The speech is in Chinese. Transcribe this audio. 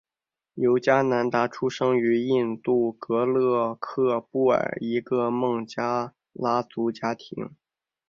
尤迦南达出生于印度戈勒克布尔一个孟加拉族家庭。